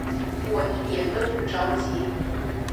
我一点都不着急